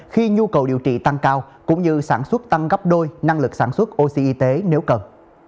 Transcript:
khi nhu cầu điều trị tăng cao cũng như sản xuất tăng gấp đôi năng lực sản xuất oc y tế nếu cần